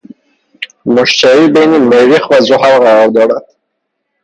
مشتری، بین مریخ و زحل قرار دارد